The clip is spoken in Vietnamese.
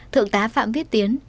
thượng tá phạm viết tiến